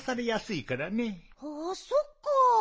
ああそっか。